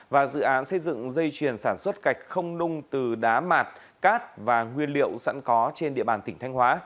và dự án xây dựng dây chuyền sản xuất gạch không nung từ đá mạt cát và nguyên liệu sẵn có trên địa bàn tỉnh thanh hóa